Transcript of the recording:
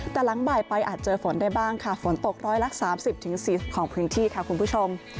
แต่หลังบ่ายไปอาจเจอฝนได้บ้างค่ะฝนตกร้อยละ๓๐๔๐ของพื้นที่ค่ะคุณผู้ชม